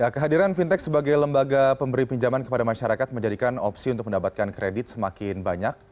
kehadiran fintech sebagai lembaga pemberi pinjaman kepada masyarakat menjadikan opsi untuk mendapatkan kredit semakin banyak